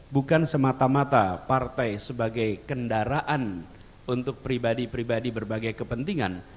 bukan semata mata partai sebagai kendaraan untuk pribadi pribadi berbagai kepentingan